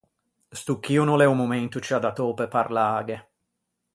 Sto chì o no l’é o momento ciù adattou pe parlâghe.